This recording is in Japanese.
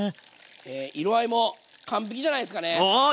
色合いも完璧じゃないですかね。